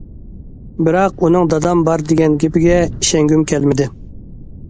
بىراق ئۇنىڭ دادام بار دېگەن گېپىگە ئىشەنگۈم كەلمىدى.